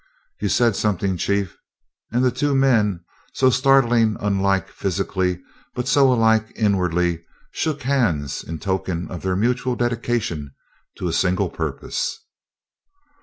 "You said something, Chief!" and the two men, so startlingly unlike physically, but so alike inwardly, shook hands in token of their mutual dedication to a single purpose.